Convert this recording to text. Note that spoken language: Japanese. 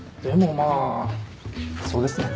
まあそうですね。